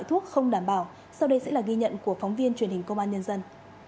thuốc không đảm bảo sau đây sẽ là ghi nhận của phóng viên truyền hình công an nhân dân